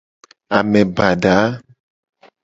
Ame bada a.